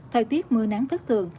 thời tiết mưa nắng thất thường